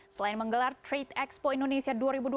selain menggelar trade expo indonesia dua ribu dua puluh